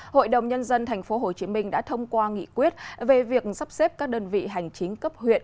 hội đồng nhân dân tp hcm đã thông qua nghị quyết về việc sắp xếp các đơn vị hành chính cấp huyện